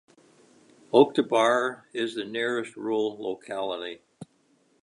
Oktyabr is the nearest rural locality.